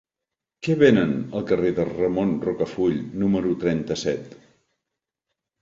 Què venen al carrer de Ramon Rocafull número trenta-set?